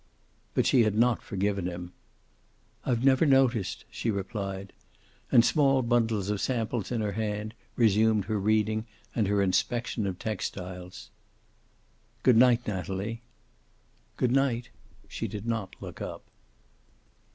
But she had not forgiven him. "I've never noticed," she replied. And, small bundle of samples in her hand, resumed her reading and her inspection of textiles. "Good night, Natalie." "Good night." She did not look up.